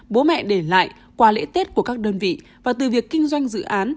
bố mẹ để lại qua lễ tết của các đơn vị và từ việc kinh doanh dự án